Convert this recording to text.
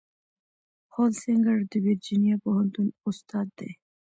هولسینګر د ورجینیا پوهنتون استاد دی.